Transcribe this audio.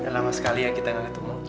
lama sekali ya kita gak ketemu